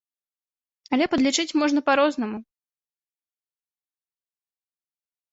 Але падлічыць можна па-рознаму.